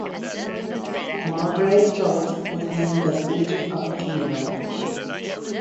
Margrave Jobst was named as regent of the kingdom.